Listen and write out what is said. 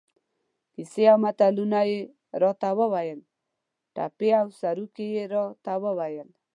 کیسې او متلونه یې را ته ویل، ټپې او سروکي یې را ته ویل.